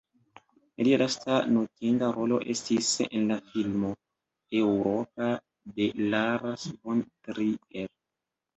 Lia lasta notinda rolo estis en la filmo "Eŭropa" de Lars von Trier.